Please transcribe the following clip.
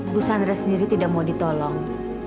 bu sandra sendiri tidak mau ditolong